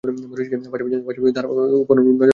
পাশাপাশি, তার ওপর নজরও রাখতাম।